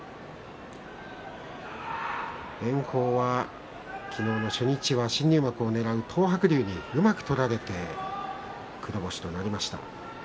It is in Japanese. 炎鵬は昨日、初日は新入幕をねらう東白龍にうまく取られて黒星となりました。